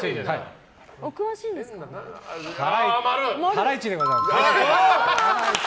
ハライチでございます。